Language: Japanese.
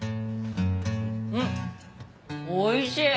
うんおいしい！